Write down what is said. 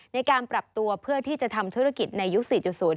ในการปรับตัวเพื่อที่จะทำธุรกิจในยุค๔๐